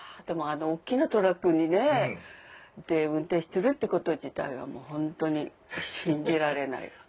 でもあのおっきなトラックにね運転してるってこと自体がもうほんとに信じられない。